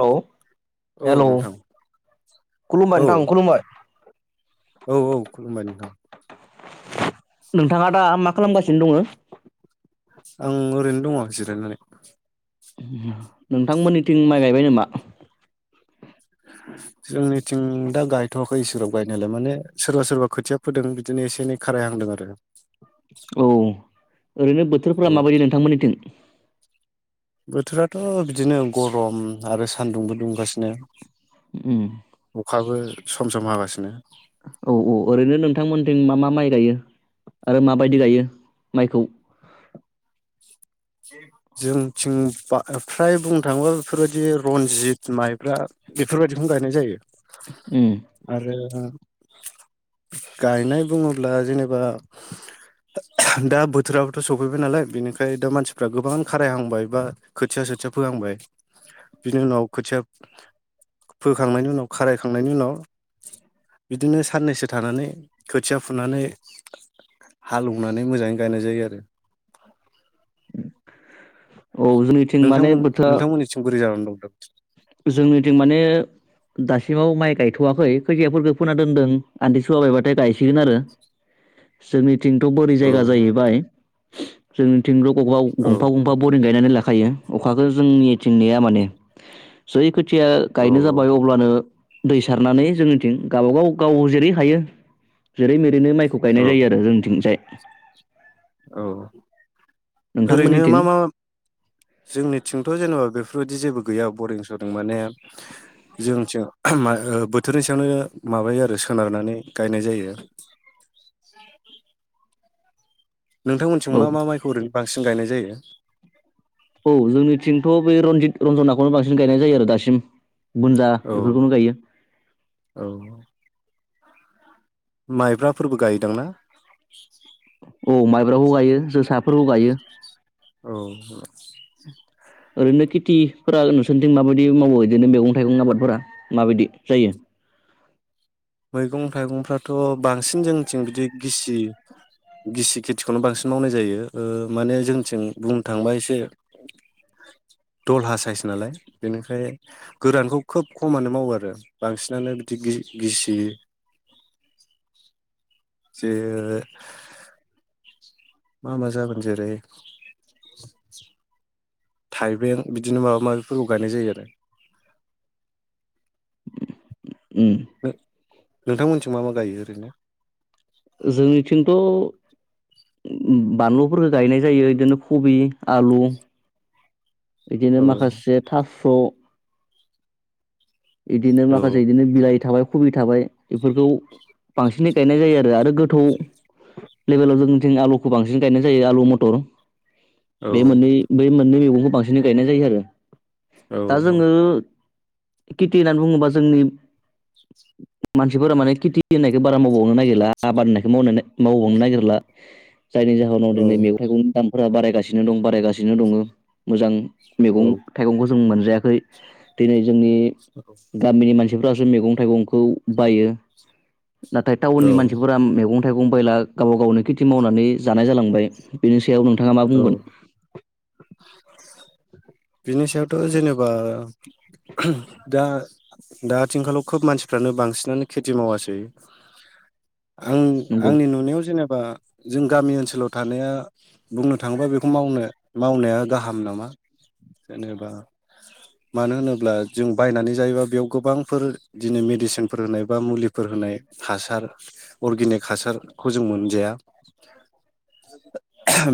Hello औ hello नोंथां खुलुमबाय औ नोंथां खुलुमबाय औ औ खुलुमबाय नोंथां नोंथाङा दा मा खालामगासिनो दङो आं ओरैनो दङ जिरायनानै नोंथांमोननिथिं माइ गायबाय नोमा [inaudible] जोंनिथिं दा गायथ'वाखै इसोराव गायनायालाय माने सोरबा सोरबा खोथिया फोदों बिदिनो एसे एनै खारायहांदों आरो औ ओरैनो औ बोथोरफोरा माबायदि नोंथांमोननिथिं बोथोराथ' बिदिनो गरम आरो सान्दुंबो दुंगासिनो उम अखाबो सम सम हागासिनो दसेनो औ औ ओरैनो नोंथांमोनथिं मा मा माइ गायो आरो माबायदि गायो माइखौ जोंथिं बा फ्राय बुंनो थाङोबा बेफोरबायदि रनजित माइब्रा बेफोरबायदिखौनो गायनाय जायो उम आरो गायनाय बुङोब्ला जेनेबा दा बोथोराबोथ' सफैबाय नालाय बेनिखायनो दा मानसि गोबां खारायहांबाय बा खोथिया सोथिया फोहांबाय बिनि उनाव खोथिया फोखांनायनि उनाव खारायखांनायनि उनाव बिदिनो साननैसो थानानै खोथिया फुनानै हालेवनानै मोजाङै गायनाय जायो आरो औ जोंनिथिं माने नोंथांमोन बोथोरा नोंथांमोननिथिं बोरै जानानै दं [inaudible] जोंनिथिं माने दासिमाव माइ गायथ'वाखै खैखियाफोरखौ फोना दोनदों आनदि सुवाबायबाथाय गायसिगोन आरो जोंनि थिंथ' बोरै औ जायगा जाहैबाय जोंनि सिं ग औ गंफा गंफा बरिं गनानै लाख खायो अखाखौ जोंनिथिं नेया माने जै खोथिया औ गायनो जाबाय अब्लानो दै सारनानै जोंनिथिं गावबागाव गाव जेरै हायो जेरै मे बिनो माइखौ औ गायनाय जायो आरो जोंनिथिंजाय [inaudible] औ ओरैनो नोंथांमोननिथिं मा मा जोंनिथिंथ' जेनेबा बेफोर बेफोरबायदि जेबो गैया बरिं सरिं माने जोंसो बोथोरनि सायावनो माबायो आरो सोनारनानै गायनाय जायो नोंथांमोननिथिं औ मा मा माइखौ ओरैनो बांसिन गायनाय जायो रनजनाखौनो बांसिन गायनाय जायो आरो दासिम बुनजा औ बेफोरखौनो गायो औ माइब्राफोरबो गायदोंना औ माइब्राखौ गायो जोसा फोरबो गायो औ ओरैनो खेथिफोरा नोंसोरनिथिं माबायदि मावो बिदिनो मैगं थाइगं आबादफोरा माबायदि जायो मैगं थाइगंफ्राथ' बांसिन जोंथिं बिदि गिसि गिसि खेथिखौनो बांसिन मावनाय जायो ओ माने जोंथिं बुंनो थांबा एसे दलहा साइस नालाय बेनिफ्राय गोरानखौ खोब खमानो मावो आरो बांसिनानो बिदि गिसि [unintelligible] जे मा मा जागोन जेरै थाइबें बिदिनो माबा माबिफोरखौ गायनाय जायो आरो उम ओ नोंथांमोननिथिं मा मा गायो ओरैनो जोंनिथिंथ' उ बानलुफोरखौ गायनाय जायो इदिनो कबि आलु बिदिनो औ माखासे थास' इदिनो औ माखासे इदिनो बिलाइ थाबाय खबि थाबाय बेफोरखौ बांसिनै गायनाय जायो आरो आरो गोथौ लेभेलाव जोंथिं आलुखौ बांसिन गायनाय जायो आलु मथर औ बे मोननै बे मोननै मैगं खौ बांसिनै गायनाय जायो आरो औ दा जोङो खेथि होननानै बुङोबा जोंनि मानसिफोरा माने खेथि होननायखौ बारा मावबांवनो नागिरला आबाद होननायखौ मावबांवनो नागिरला जायनि जाहोनाव दिनै मेगं थाइगंनि दाम फोरा बारायगासिनो दं बारायगासिनो दङ मोजां औ मैगं थाइगं जों मोनजायाखै दिनै जोंनि औ सिफ्रासो मैगं थाइगंखौ बायो नाथाय टाउननि औ मानसिफोरा मैगं थाइगं बायला गावबा गावनि खेथि मावनानै जानाय जालांबाय बेनि सायाव नोंथाङा मा औ बुंगोन बिनि सायावथ' जेनेबा दा दा आथिंखालाव खोब मानसिफ्रानो बांसिनानो खेथि मावासै आं नंगौ आंनि नुनायाव जेने बा जों गामि ओनसोलाव थानाया बुंनो थाङोबा बेखौ मावनो मावनाया गाहाम नामा जेनेबा मानो होनोब्ला जों बायनानै जायोबा बेयाव गोबांफोर दिनै मेडिसिनफोर होनाय बा मुलिफोर होनाय हासार अर्गेनिक हासारखौ जों मोनजाया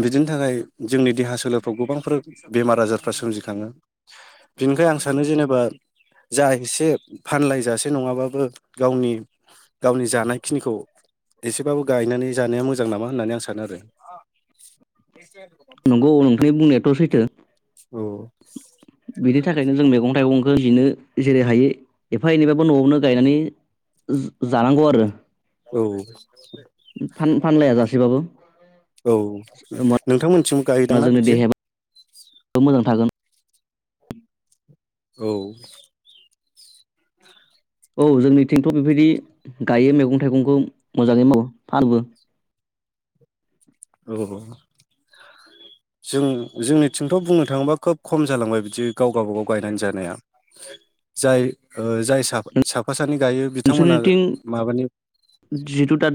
बिदिनि थाखाय जोंनि देहा सोलफ्राव गोबांफोर बेमार आजारफ्रा सोमजिखाङो बिनिखाय आं सानो जेनेबा जा एसे फानलायजासे नङाबाबो गावनि गावनि जानायखिनिखौ एसेबाबो गायनानै जानाया मोजां नामा होननानै आं सानो आरो [unintelligible] नि बुंनायाथ' सैथो औ बिनि थाखायनो जों मैगं थाइगं नो जेरै हायो एफा एनैबाबो न'आवनो गायनानै जानांगौ आरो औ फानलाया जासेबाबो औ नोंथांमोनथिं गायोदांना जोंनि बिदि देहाय मोजां थागोन औ औ जोंनिथिंथ' बेबायदि गायो मैगं थाइगंखौ मोजाङै मावो फानोबो औ जों जोंनिथिंथ' बुंनो थाङोबा खोब खम जालांबाय बिदि गाव गावबागाव गायनानै जानाया जाय ओ जाय साफा सफ नोंसोरनिथिं जिहेथु दा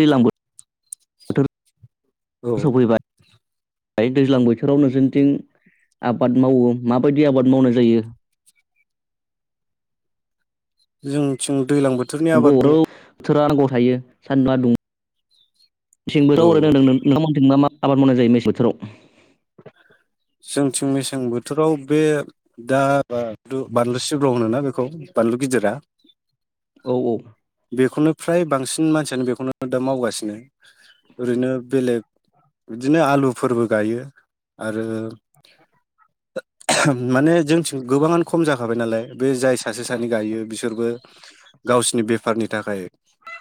दैलांबो हटेल औ दैज्लां बोथोराव नजोरथिं आबाद मावो माबायदि आबाद मावनाय जायो जोंथिं दैज्लां बोथोरनि नंगौ आबाद रौ बुं बोथोरा नांगौ थायो सान्दुआ दङ औ थिंबोथाव हरो न नों नोंथांथिं ना मा आबाद मावनाय जायो मेसें बोथोराव जोंथिं मेसें बोथोराव बे दा बा बानलु सिब्र' होनोना बेखौ बानलु गिदिरा औ औ बेखौनो फ्राय बांसिन मानसियानो बेखौनो दा मावगासिनो ओरैनो बेलेग बिदिनो आलुफोरबो गायो आरो माने जोंथिं गोबाङानो खम जाखाबाय नालाय बे जाय सासे सानै गायो बि बिसोरबो गावसिोरनि बेफखरनि थाखाय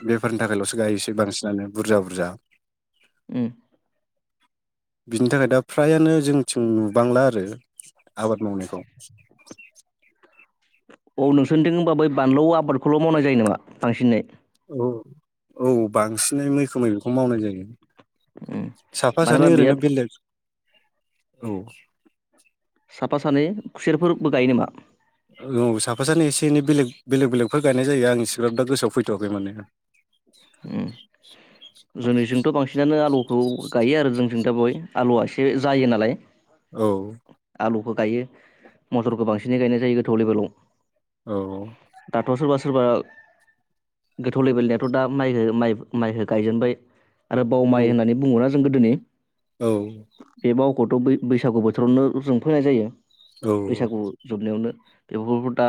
बेफारनि थाखायल'सो गायोसै बांसिनानो बुरजा बुरजा बिनि थाखाय दा फ्रायानो जों जों नुबांला आरो आबाद मावनायखौ औ नोंसोरथिं होनबा बै बानलु आबादखौल' मावनाय जायो नामा बांसिनै औ औ बांसिनै मैखोमै बेखौनो मावनाय जायो साफा मानो सानै होनबा बेहा ओरैनो बेलेग औ साफा सानै खुसेरफोरबो गायो नामा औ साफा सानै एसे एनै बेलेग बेलेग बेलेगफोर गायनाय जायो आं सिग्रााब दा गोसोआव फैथ'वाखै माने हम खौ गायो आरो जोंजों दा बय आलुआ एसे जायो नालाय औ आलुखौ गायो मथरखौ बांसिनै गायनाय जायो गोथौ लेभेलाव दाथ' सोरबा औ सोरबा गोथौ लेभेलनियाथ' दा माइ म माइ गायजेनबाय आरो बाव औ माय होननानै बुङोना जों गोदोनि औ गथ' बैसागु बोथोरावनो जों फोनाय जायो औ औ बैसागु जोबनायावनो बेफोरखौ दा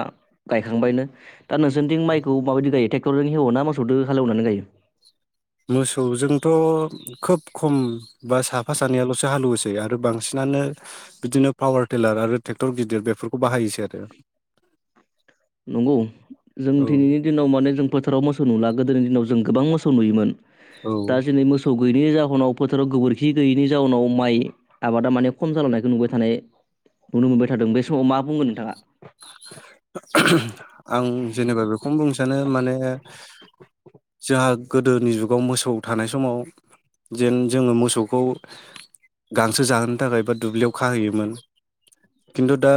गायखांबायनो दा नोंसोरथि माइखौ माबायदि गायो थे टरजों हेवो ना मोसौदो हालेवनानै गायो मोसौजोंथ' खोब खम बा साफा सानैयाल'सो हालवोसै आरो बांसिनानो बिदिनो पावार टेलार आरो ट्रेक्टर गिदिर बेफोरखौ बाहायोसै आरो नंगौ जों औ दिनैनि दिनाव माने जों फोथाराव मोसौ नुला गोदोनि दिनाव जों गोबां मोसौ नुयोमोन औ दा जो नै मोसौ गैयैनि जाहोनाव फोथाराव गोबोरखि गैयैनि जाहोनाव माइ आबादा माने खम जालांनायखौ नुबाय थानाय नुनो मोनबाय थादों बे समाव मा बुंगोन नोंथाङा [inaudible] आं जेनेबा बेखौनो बुंसै बिनो माने जोंहा गोदोनि जुगाव मोसौ थानाय समाव जेन जोङो मोसौखौ गांसो जाहोनो थाखाय बा दुब्लियाव खाहैयोमोन खिन्थु दा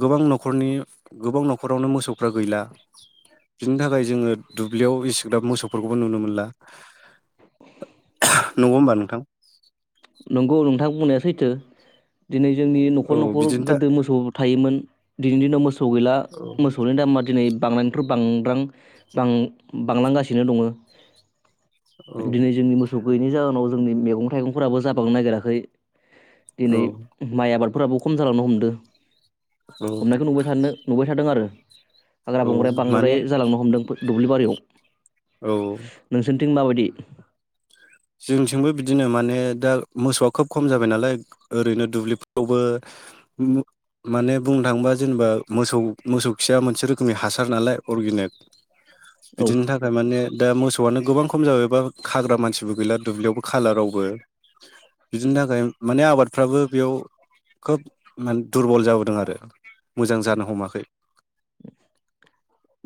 गोबां नखर न'खरनि गोबां न'खरावनो मोसौफ्रा गैला बिनि थाखाय जोङो दुब्लियाव एसेग्राब मोसौफोरखौबो नुनो मोनला नंगौ होमबा नोंथां नंगौ नोंथां बुंनाया सैथो दिनै जोंनि न'खर औ न'खर बिदिनो था गोदो मोसौ थायोमोन दिनैनि दिनाव मो मोसौ गैला औ मोसौनि दामा दिनै बांनायनिफ्राय बांद्रां बांलांगासिनो दंओ दिनै औ जोंनि मोसौ गैयैनि जाहोनाव जों मैगं थाइगंफोराबो जाब बांनो नागिराखै दिनै औ माइ आबाद फोराबो खम जालांनो हमदो औ हमनायखौ नुबाय थानो नुबाय थादों आरो हाग्रा औ बंग्राय माने बांद्राय जालांनो हमदों दुब्लिबारियाव औ थिं माबायदि? जोंथिंबो बिदिनो माने दा मोसौआ खोब खम जाबाय नालाय ओरैनो दुब्लिफ्रावबो माने बुंनो थाङोबा जेनेबा मोसौ मोसौ खिया मोनसे रोखोमनि हासार नालाय अरगेनिक। औ बिदिनि थाखाय माने दा मोसौआनो गोबां खम जाबायबा खाग्रा मानसिबो गैला दुब्लियावबो खालारावबो बिदिनि थाखाय माने आबादफ्राबो बेयाव खोब माने दुरबल जाबोदों आरो मोजां जानो हमाखै।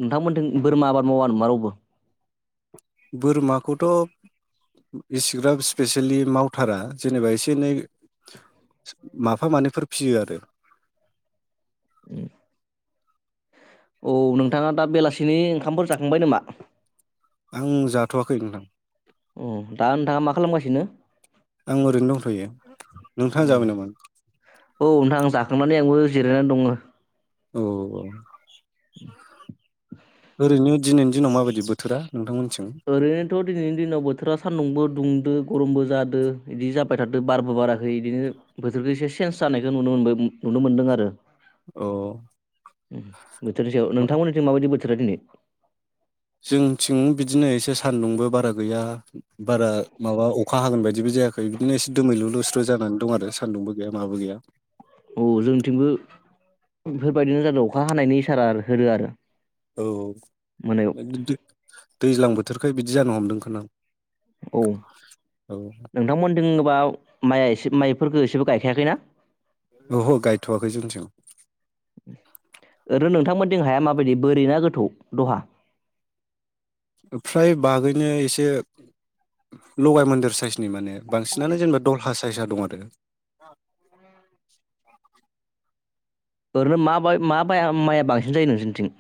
नोंथांमोननिथिं बोरमा आबाद मावा नामा रावबो? बोरमाखौथ' इसिग्राब स्पेसियेलि मावथारा जेनेबा एसे एनै माफा मानैफोर फिसियो आरो। उम औ नोंथाङा दा बेलासिनि ओंखामफोर जाखांबाय नामा? आं जाथ'वाखै नोंथां। उम आं ओरैनो दंथ'यो नोंथाङा अ जाबाय नामा? औ नोंथां जाखांनानै आंबो जिरायनानै दङ। औ [inaudible] ओरैनो दिनैनि दिनाव माबायदि बोथोरा नोंथांमोनथिं? ओरैनोथ' दिनैनि दिनाव बोथोरा सानदुंबो दुंदो गरमबो जादो बिदि जाबाय थादो बारबो बाराखै बिदिनो बोथोरखौ एसे चेन्स जानायखौ नुनो मोन नुनो मोनदों आरो। अ उ बोथोरनि सायाव नोंथांमोननिथिं माबायदि बो? थोरा दिनै जोंथिं बिदिनो एसे सानदुंबो बारा गैया बारा माबा अखा हागोन बायदिबो जायाखै। बिदिनोसे दोमै लु लुस्रु जानानै दं आरो। सानदुंबो गैया माबो गैया। औ जोंथिंबो बेफोरबायदिनो जादों अखा हानायनि इसारा होदो आरो। औ मोनायाव दैज्लां बो औ औ नोंथां मोननिथिंबा माइआ एसे माइ फोरखौ एसेबो गायखायाखैना? औह गायथ'वाखै जोंथिं। जों हाया माबायदि बोरै ना गोथौ दहा। ओफ्राय बागैनो एसे लगाय मोनदेर साइस। माने बांसिनानो जोंना दल हा। फायसा दं आरो ओरैनो मा बाय मा बाय मा माइया बांसिन जायो नोंसोरनिथिं?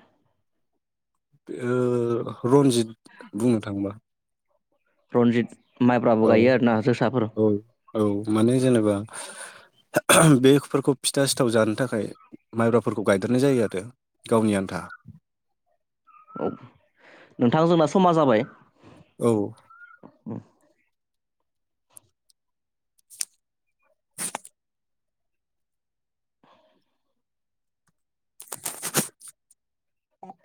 बेयो। रनजित बुंनो थाङोबा रनजित माइब्राबो औ गायो आरोना जोसाफोर औ औ माने जेनेबा। बेफोरखौ फिथा सिथाव जानो थाखाय माइब्राफोरखौ गायदेरनाय जायो आरो गावनि आनथा। नोंथां जोंना समा जाबाय। औ उम